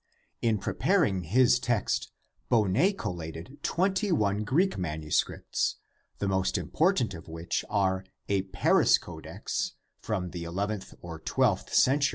In preparing his text Bonnet collated twenty one Greek manuscripts, the most important of which are a Paris Codex (1510 from the XI or XII cent.